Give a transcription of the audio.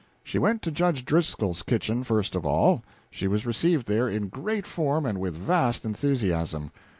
She went to Judge Driscoll's kitchen first of all. She was received there in great form and with vast enthusiasm.